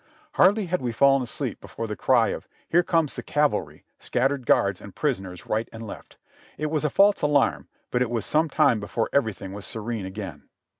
Hardly had we fallen asleep before the cry of "Here comes the cavalry!" scat tered guards and prisoners right and left. It was a false alarm, but it was some time before everything was serene again.